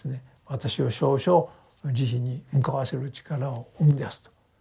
私を少々慈悲に向かわせる力を生み出すと。